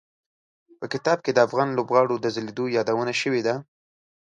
په کتاب کې د افغان لوبغاړو د ځلېدو یادونه شوي ده.